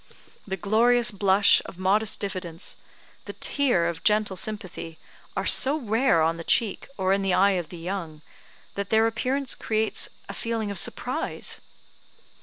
The glorious blush of modest diffidence, the tear of gentle sympathy, are so rare on the cheek, or in the eye of the young, that their appearance creates a feeling of surprise.